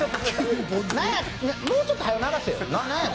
もうちょっとはよ流せよ。